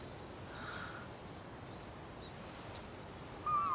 はあ？